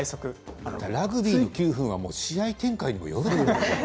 ラグビー９分は試合展開によるから。